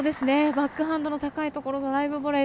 バックハンドの高いところのドライブボレー。